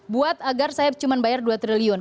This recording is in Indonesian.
buat agar saya cuma bayar dua triliun